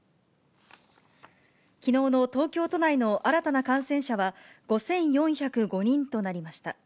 きのうの東京都内の新たな感染者は５４０５人となりました。